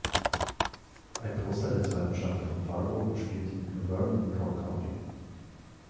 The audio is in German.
Ein Großteil der zweiten Staffel von „Fargo“ spielt in Luverne und Rock County.